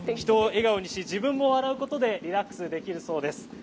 人を笑顔にし、自分も笑うことでリラックスできるそうです。